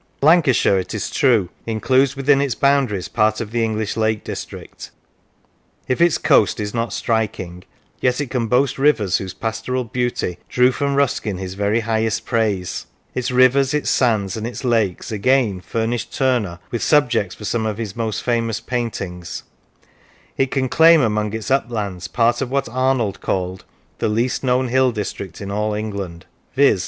Lancashire, it is true, includes within its boundaries part of the English Lake District; if its coast is not striking, yet it can boast rivers whose pastoral beauty drew from Ruskin his very highest praise; its rivers, its sands, and its lakes, again, furnished Turner with subjects for some of his most famous paintings; it can claim among its uplands part of what Arnold called " the least known hill district in all England" viz.